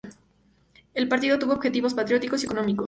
El partido tuvo objetivos patrióticos y económicos.